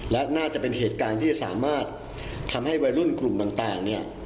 และน่าจะเป็นเหตุการณ์ที่จะสามารถทำให้วัยรุ่นกลุ่มต่างเนี่ย